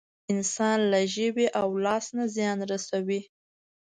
انسان له ژبې او لاس نه زيان رسوي.